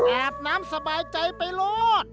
อาบน้ำสบายใจไปรอด